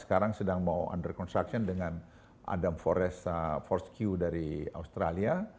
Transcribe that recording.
sekarang sedang mau under construction dengan adam forest fordq dari australia